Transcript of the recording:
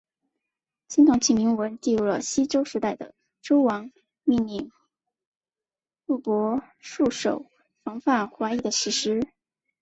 青铜器铭文记录了西周时代的周王命令录伯戍守防范淮夷的史实。